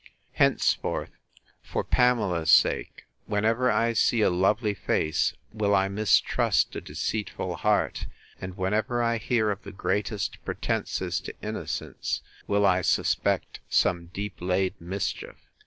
'Henceforth, for Pamela's sake, whenever I see a lovely face, will I mistrust a deceitful heart; and whenever I hear of the greatest pretences to innocence, will I suspect some deep laid mischief.